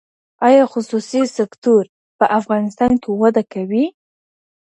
ایا خصوصي سکتور په افغانستان کي وده کوي؟